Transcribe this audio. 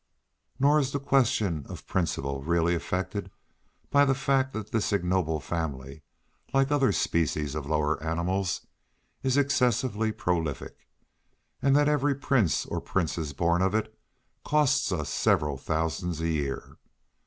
Nor is the question of principle really affected by the fact that this ignoble family, like other species of the lower animals, is excessively prolific, and that every prince or princess born of it, costs us several thousands a year.